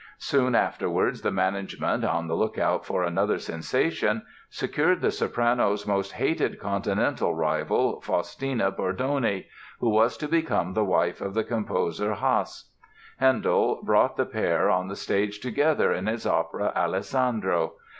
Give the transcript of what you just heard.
Soon afterwards the management, on the lookout for another sensation, secured the soprano's most hated Continental rival, Faustina Bordoni, who was to become the wife of the composer Hasse. Handel brought the pair on the stage together in his opera "Alessandro".